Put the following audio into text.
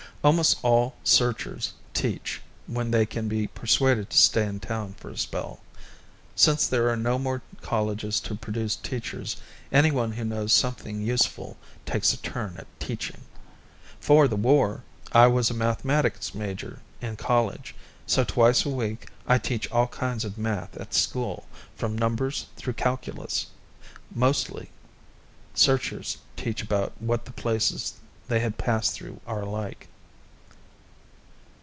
Almost all Searchers teach when they can be persuaded to stay in town for a spell. Since there are no more colleges to produce teachers, anyone who knows something useful takes a turn at teaching. 'Fore the war, I was a mathematics major in college, so twice a week I teach all kinds of math at school, from numbers through calculus. Mostly, Searchers teach about what the places they had passed through are like.